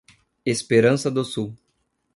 Esperança do Sul